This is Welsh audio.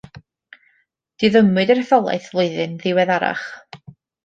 Diddymwyd yr etholaeth flwyddyn yn ddiweddarach.